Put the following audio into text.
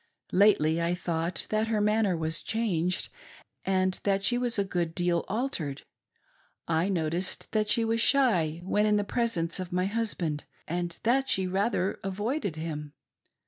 Lately I thought that her manner was changed and that she was a good deal altered. I noticed that she was shy when in the presence of my husband, and that she rather avoided him.